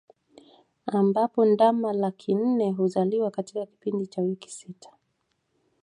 Ambapo ndama laki nne huzaliwa katika kipindi cha wiki sita